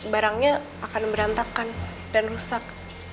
barangnya akan berantakan dan rusak